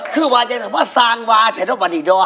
คือว่าจะถามว่าสางวาแถนวันอีกด้วย